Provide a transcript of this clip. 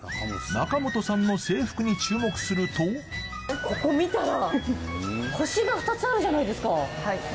中本さんの制服に注目するとここ見たら星が２つあるじゃないですか。